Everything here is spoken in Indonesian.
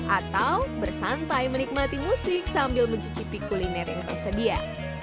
atau bersantai menikmati musik sambil mencicipi kuliner yang tersedia